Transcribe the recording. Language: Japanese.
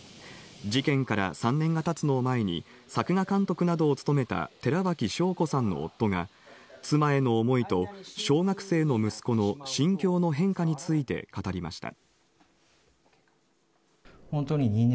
事件から３年が経つのを前に、作画監督などを務めた寺脇晶子さんの夫が妻への思いと小学生の息子の心境の変化について語りました。